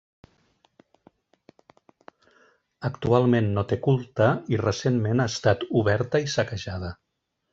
Actualment no té culte, i recentment ha estat oberta i saquejada.